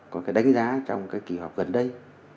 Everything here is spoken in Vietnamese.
có cái đánh giá trong cái kỳ họp gần đây